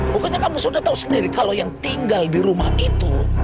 bukannya kamu sudah tahu sendiri kalau yang tinggal di rumah itu